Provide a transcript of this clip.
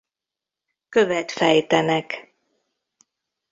Követ fejtenek.